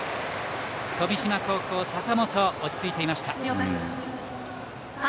富島高校、坂本落ち着いていました。